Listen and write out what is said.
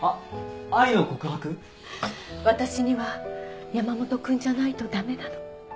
私には山本君じゃないと駄目なの。